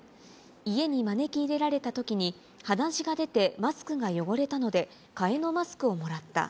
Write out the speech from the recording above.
家に招き入れられたときに、鼻血が出てマスクが汚れたので、替えのマスクをもらった。